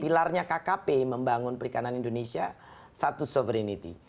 pilarnya kkp membangun perikanan indonesia satu sovereignity